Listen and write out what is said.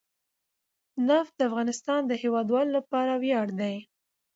نفت د افغانستان د هیوادوالو لپاره ویاړ دی.